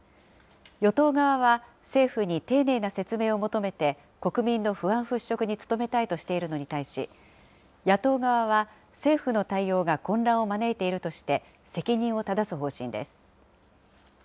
与党側は、政府に丁寧な説明を求めて、国民の不安払拭に努めたいとしているのに対し、野党側は、政府の対応が混乱を招いているとして、責任をただす方針です。